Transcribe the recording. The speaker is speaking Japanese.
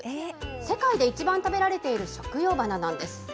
世界で一番食べられている食用花なんです。